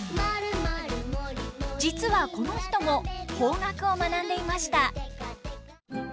実はこの人も邦楽を学んでいました。